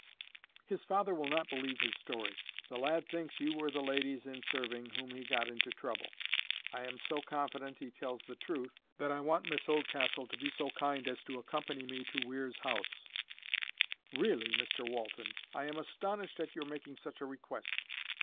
"His father will not believe his story. The lad thinks you were the ladies in serving whom he got into trouble. I am so confident he tells the truth, that I want Miss Oldcastle to be so kind as to accompany me to Weir's house—" "Really, Mr Walton, I am astonished at your making such a request!"